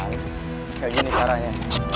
kayak gini caranya